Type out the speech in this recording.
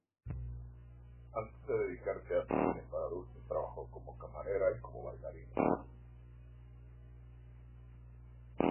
Antes de dedicarse al cine para adultos trabajó como camarera y como bailarina.